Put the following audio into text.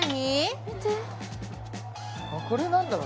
見てこれ何だろう？